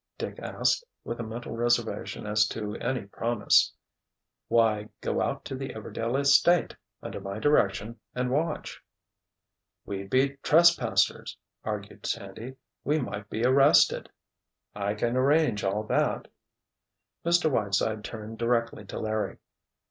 Dick asked, with a mental reservation as to any promise. "Why, go out to the Everdail estate, under my direction, and watch." "We'd be trespassers," argued Sandy. "We might be arrested." "I can arrange all that." Mr. Whiteside turned directly to Larry.